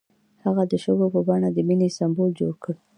هغه د شګوفه په بڼه د مینې سمبول جوړ کړ.